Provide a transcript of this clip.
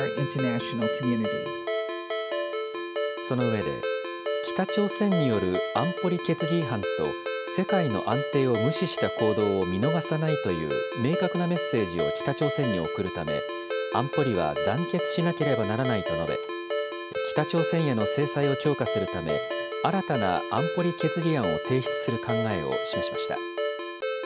その上で、北朝鮮による安保理決議違反と世界の安定を無視した行動を見逃さないという明確なメッセージを北朝鮮に送るため、安保理は団結しなければならないと述べ、北朝鮮への制裁を強化するため、新たな安保理決議案を提出する考えを示しました。